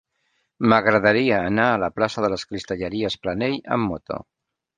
M'agradaria anar a la plaça de les Cristalleries Planell amb moto.